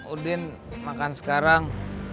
udin makan sekarang